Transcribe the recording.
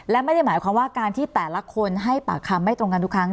และไม่ได้หมายความว่าการที่แต่ละคนให้ปากคำไม่ตรงกันทุกครั้ง